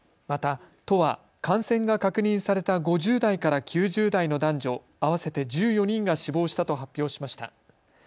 また都は感染が確認された５０代から９０代の男女合わせて１４人が死亡したと発表しました。